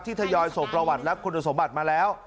ทยอยส่งประวัติและคุณสมบัติมาแล้ว